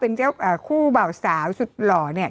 เป็นเจ้าคู่เบาสาวสุดหล่อเนี่ย